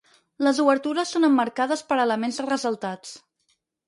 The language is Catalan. Les obertures són emmarcades per elements ressaltats.